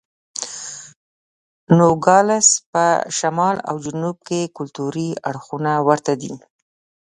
د نوګالس په شمال او جنوب کې کلتوري اړخونه ورته دي.